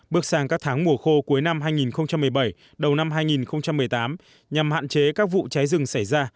bước sang các tháng mùa khô cuối năm hai nghìn một mươi bảy đầu năm hai nghìn một mươi tám nhằm hạn chế các vụ cháy rừng xảy ra